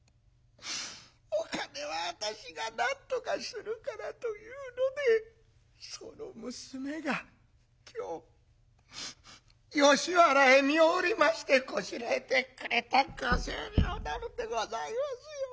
お金は私がなんとかするから』というのでその娘が今日吉原へ身を売りましてこしらえてくれた５０両なのでございますよ。